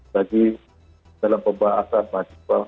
bagi dalam pembahasan masyarakat